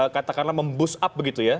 katakanlah mem boost up begitu ya